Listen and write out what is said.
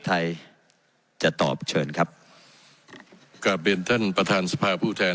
อาทัยจะตอบเชิญครับกับบินที่ประธานสภาผู้แทน